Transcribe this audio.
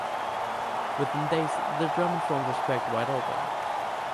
Within days the German front was cracked wide open.